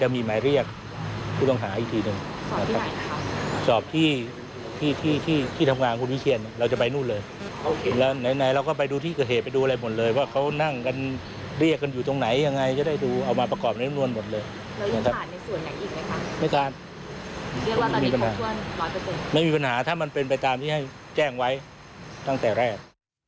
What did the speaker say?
มีการวิจารณ์ที่ให้แจ้งไว้ตั้งแต่แรก